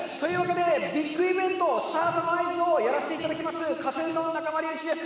ビッグイベント、スタートの合図をやらせていただきますＫＡＴ−ＴＵＮの中丸雄一です。